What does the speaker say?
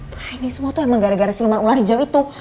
wah ini semua tuh emang gara gara siluman ular hijau itu